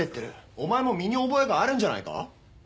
お前も身に覚えがあるんじゃないか？